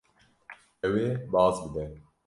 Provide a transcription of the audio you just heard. Ew ê baz bide.